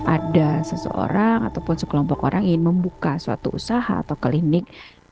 ada seseorang ataupun sekelompok orang ingin membuka suatu usaha atau klinik